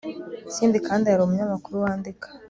ikindi kandi, hari umunyamakuru wandika